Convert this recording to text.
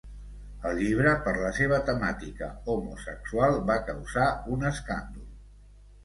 El llibre, per la seva temàtica homosexual, va causar un escàndol.